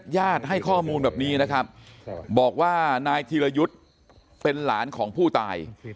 ญาติให้ข้อมูลแบบนี้นะครับบอกว่านายธีรยุทธ์เป็นหลานของผู้ตาย